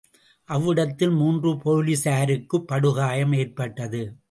அவ்விடத்தில் மூன்று போலிஸாருக்குப் படுகாயம் எற்பட்டது.